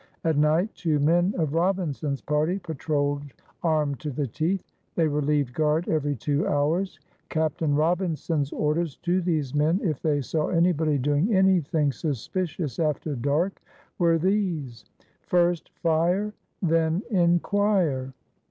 At night two men of Robinson's party patrolled armed to the teeth; they relieved guard every two hours. Captain Robinson's orders to these men, if they saw anybody doing anything suspicious after dark, were these: First fire, Then inquire.